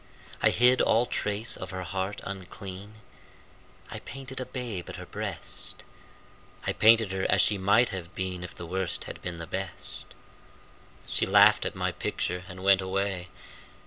I hid all trace of her heart unclean; I painted a babe at her breast; I painted her as she might have been If the Worst had been the Best. She laughed at my picture and went away.